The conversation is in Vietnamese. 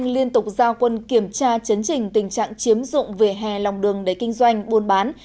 liên tục giao quân kiểm tra chấn trình tình trạng chiếm dụng về hè lòng đường để kinh doanh buôn bán